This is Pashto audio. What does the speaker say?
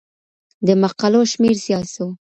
د مقالو شمېر زيات سو.